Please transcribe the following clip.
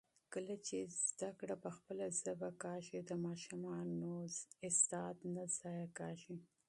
کله چي تعلیم په خپله ژبه کېږي، د ماشومانو استعداد نه ضایع کېږي.